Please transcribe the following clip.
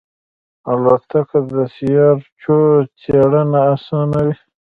الوتکه د سیارچو څېړنه آسانوي.